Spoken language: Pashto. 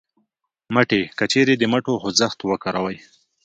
مټې : که چېرې د مټو خوځښت وکاروئ